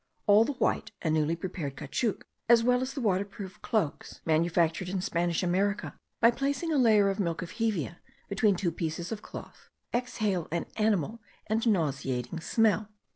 All the white and newly prepared caoutchouc, as well as the waterproof cloaks, manufactured in Spanish America by placing a layer of milk of hevea between two pieces of cloth, exhale an animal and nauseating smell.